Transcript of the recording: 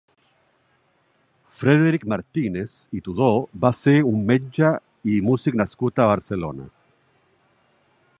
Frederic Martínez i Tudó va ser un metge i músic nascut a Barcelona.